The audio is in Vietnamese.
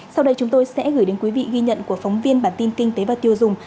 sau đây chúng tôi sẽ gửi đến quý vị ghi nhận của phóng viên bản tin kinh tế và tiêu dùng